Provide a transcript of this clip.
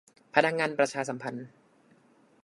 พนักงานประชาสัมพันธ์